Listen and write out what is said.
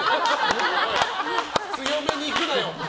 強めにいくなよ！